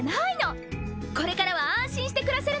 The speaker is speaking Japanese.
これからは安心して暮らせるのよ。